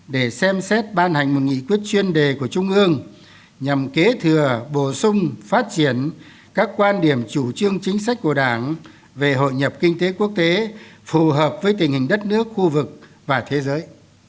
để xem xét ban hành một nghị quyết chuyên đề của trung ương nhằm kế thừa bổ sung phát triển các quan điểm chủ trương chính sách của đảng về hội nhập kinh tế quốc tế phù hợp với tình hình đất nước khu vực và thế giới